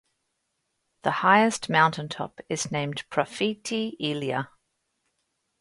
The highest mountaintop is named "Profiti Ilia".